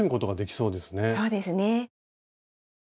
そうですね。